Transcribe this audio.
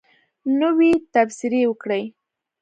نوی تبصرې وکړئ